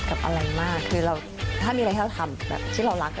แล้วก็ได้เจอกันบ่อยมากขึ้นนะคะ